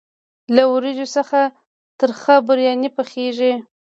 له وریجو څخه ترخه بریاني پخیږي.